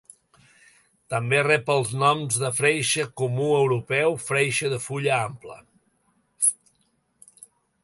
També rep els noms de freixe comú europeu, freixe de fulla ampla.